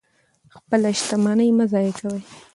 خپله شتمني مه ضایع کوئ.